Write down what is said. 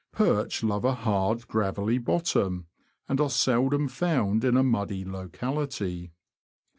Perch love a hard, gravelly bottom, and are seldom found in a muddy locality.